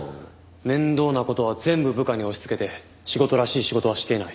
面倒な事は全部部下に押し付けて仕事らしい仕事はしていない。